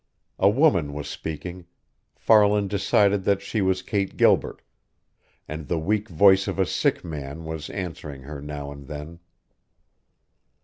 A woman was speaking Farland decided that she was Kate Gilbert and the weak voice of a sick man was answering her now and then.